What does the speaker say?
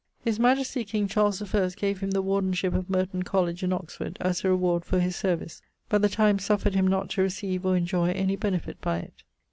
His majestie king Charles I gave him the Wardenship of Merton Colledge in Oxford, as a reward for his service, but the times suffered him not to recieve or injoy any benefitt by it.